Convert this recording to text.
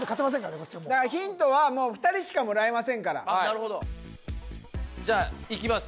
こっちはもうだからヒントはもう２人しかもらえませんからじゃいきます